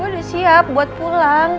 udah siap buat pulang